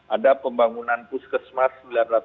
ada pembangunan puskesmas sembilan ratus tujuh puluh satu